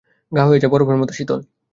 গা হয়ে যায় বরফের মতো শীতল।